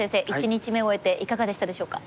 １日目終えていかがでしたでしょうか？